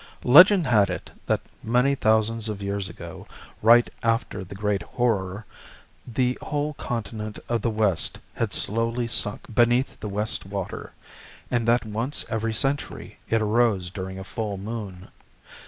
_ Legend had it, that many thousands of years ago, right after the Great Horror, the whole continent of the west had slowly sunk beneath the West Water, and that once every century it arose during a full moon.